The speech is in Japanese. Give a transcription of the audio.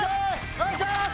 お願いします！